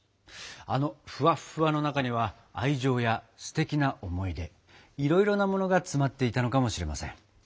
あのふわっふわの中には愛情やすてきな思い出いろいろなものが詰まっていたのかもしれません。